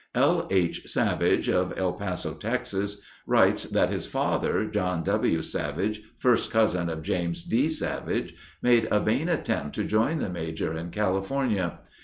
L. H. Savage of El Paso, Texas, writes that his father, John W. Savage, first cousin of James D. Savage, made a vain attempt to join the Major in California.